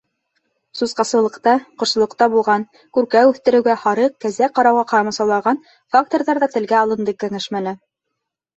Сусҡасылыҡта, ҡошсолоҡта булған, күркә үҫтереүгә, һарыҡ, кәзә ҡарауға ҡамасаулаған факторҙар ҙа телгә алынды кәңәшмәлә.